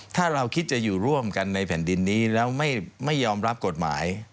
ถ้าเราคิดจะอยู่ร่วมกันในแผ่นดินนี้แล้วไม่ยอมรับกฎหมาย